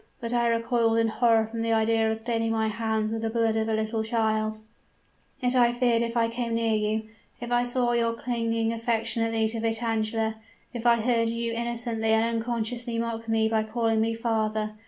But I recoiled in horror from the idea of staining my hands with the blood of a little child yet I feared if I came near you if I saw your clinging affectionately to Vitangela if I heard you innocently and unconsciously mock me by calling me 'father!'